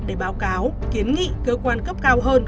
để báo cáo kiến nghị cơ quan cấp cao hơn